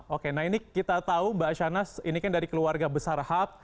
oke nah ini kita tahu mbak shanas ini kan dari keluarga besar hap